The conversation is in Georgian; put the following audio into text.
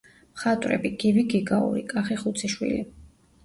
მხატვრები: გივი გიგაური, კახი ხუციშვილი.